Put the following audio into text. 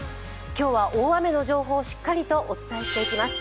今日は大雨の情報をしっかりとお伝えします。